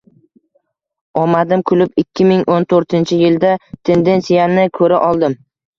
Omadim kulib, ikki ming o'n to'rtinchi yilda tendensiyani koʻra oldim